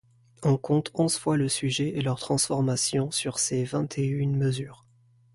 On compte onze fois le sujet et leurs transformations sur ces vingt-et-une mesures.